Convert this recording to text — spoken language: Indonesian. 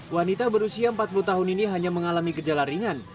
wanita berusia empat puluh tahun ini hanya mengalami gejala ringan